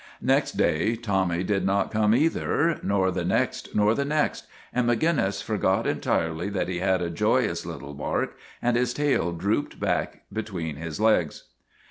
Next day Tommy did not come, either, nor the next, nor the next, and Maginnis for got entirely that he had a joyous little bark, and his tail drooped back between his legs.